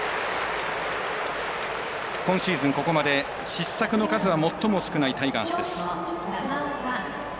今シーズン、ここまで失策の数は最も少ないタイガースです。